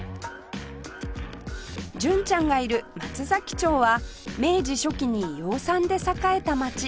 純ちゃんがいる松崎町は明治初期に養蚕で栄えた街